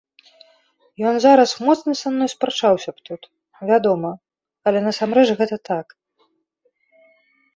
Ён зараз моцна са мной спрачаўся б тут, вядома, але насамрэч гэта так.